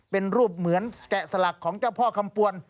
เป็นรูปเหมือนแกะสลักของเจ้าพ่อคำปวน